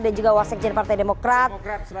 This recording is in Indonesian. dan juga wak sekjian partai demokrat